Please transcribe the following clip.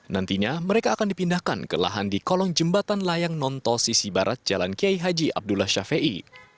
nantinya mereka akan dipindahkan ke lahan di kolong jembatan layang non tol sisi barat jalan k h abdullah syafiei